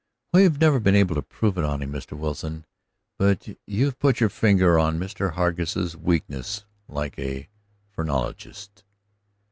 "We've never been able to prove it on him, Mr. Wilson, but you've put your finger on Mr. Hargus' weakness like a phrenologist."